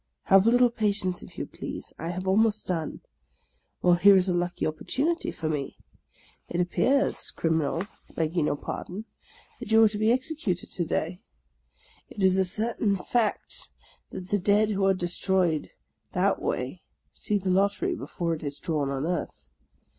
Have a little patience, if you please; I have almost done. Well, here is a lucky opportunity for me. It appears, Crim 84 THE LAST DAY inal, begging your pardon, that you are to be executed to day. It is a certain fact that the dead who are destroyed that way see the lottery before it is drawn on earth.